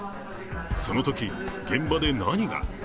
そのとき、現場で何が？